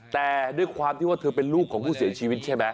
แต่ด้วยความที่ว่าเธอเป็นลูกของผู้เสียชีวิตใช่ไหม